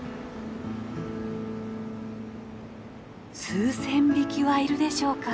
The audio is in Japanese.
数千匹はいるでしょうか。